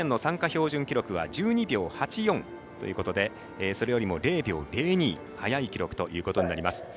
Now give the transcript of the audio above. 標準記録は１２秒８４ということでそれよりも０秒０２早い記録ということになります。